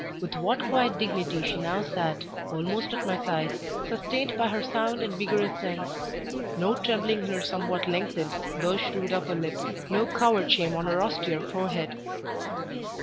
With what quiet dignity she now sat, almost at my side, sustained by her sound and vigorous sense; no trembling in her somewhat lengthened, though shrewd upper lip, no coward shame on her austere forehead!